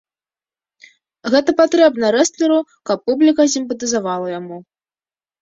Гэта патрэбна рэстлеру, каб публіка сімпатызавала яму.